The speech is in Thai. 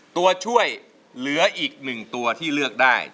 ตัวช่วยเหลืออีก๑ตัวที่เลือกได้